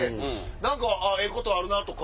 何かええことあるな！とか。